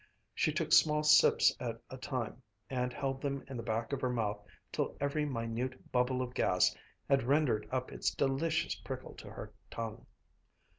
She took small sips at a time and held them in the back of her mouth till every minute bubble of gas had rendered up its delicious prickle to her tongue.